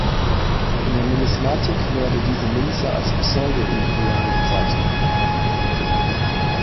In der Numismatik werde diese Münzen als "pseudo-imperial" bezeichnet.